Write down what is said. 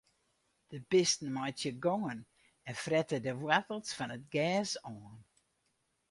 De bisten meitsje gongen en frette de woartels fan it gjers oan.